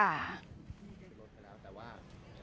แต่ว่า